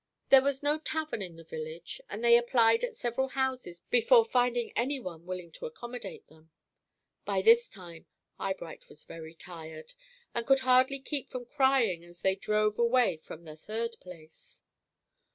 There was no tavern in the village, and they applied at several houses before finding any one willing to accommodate them. By this time, Eyebright was very tired, and could hardly keep from crying as they drove away from the third place.